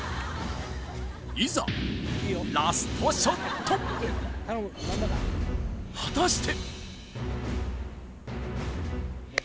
いざラストショット果たして？